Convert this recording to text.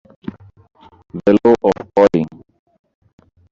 The law of Calling.